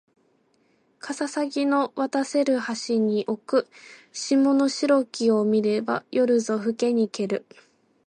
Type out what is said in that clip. かささぎの渡せる橋に置く霜の白きを見れば夜ぞふけにける